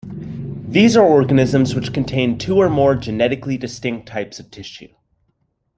These are organisms which contain two or more genetically distinct types of tissue.